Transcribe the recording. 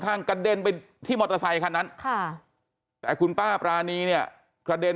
กระเด็นไปที่มอเตอร์ไซคันนั้นค่ะแต่คุณป้าปรานีเนี่ยกระเด็น